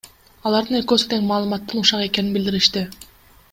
Алардын экөөсү тең маалыматтын ушак экенин билдиришти.